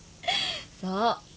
そう。